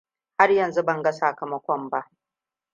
Har yanzu ban ga sakamakon ba.